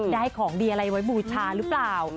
ได้ของดีอะไรไว้บูชาหรือเปล่า